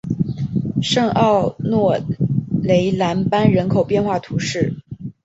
圣奥诺雷莱班人口变化图示